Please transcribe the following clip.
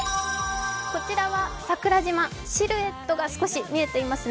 こちらは桜島シルエットが少し見えていますね。